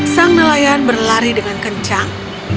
sang nelayan berlari dengan kencang